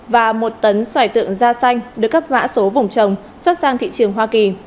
và một tấn xoài tượng da xanh được cấp mã số vùng trồng xuất sang thị trường hoa kỳ